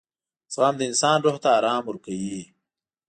• زغم د انسان روح ته آرام ورکوي.